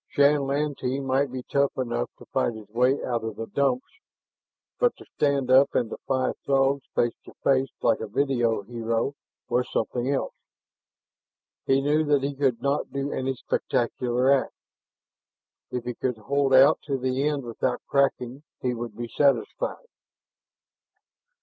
Shann Lantee might be tough enough to fight his way out of the Dumps, but to stand up and defy Throgs face to face like a video hero was something else. He knew that he could not do any spectacular act; if he could hold out to the end without cracking he would be satisfied.